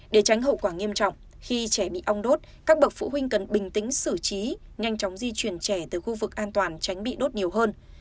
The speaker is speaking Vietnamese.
để tránh hậu quả nghiêm trọng khi trẻ bị ong đốt các bậc phụ huynh cần bình tĩnh xử trí nhanh chóng di chuyển trẻ từ khu vực an toàn tránh bị đốt nhiều hơn